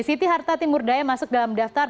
siti harta timur daya masuk dalam daftar